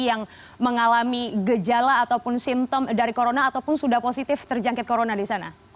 yang mengalami gejala ataupun simptom dari corona ataupun sudah positif terjangkit corona di sana